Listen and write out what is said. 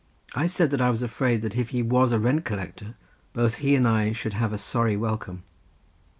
I said that I was afraid that if he was a rent collector, both he and I should have a sorry welcome.